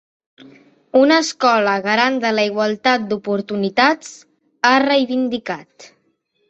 Una escola garant de la igualtat d’oportunitats, ha reivindicat.